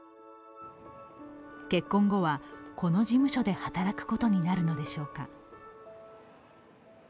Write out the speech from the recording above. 結婚後はこの事務所で働くことになるのでしょうか。